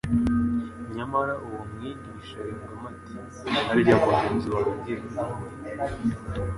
Nyamara uwo mwigisha yungamo ati : «Harya mugenzi wanjye ninde ?»